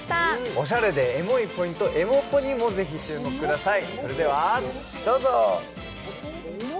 おしゃれでエモいポイント、エモポにもぜひ注目してください。